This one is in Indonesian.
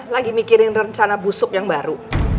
lagi mikirin rencana busuk yang baru